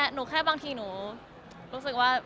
หนูแค่บางทีหนูรู้สึกว่า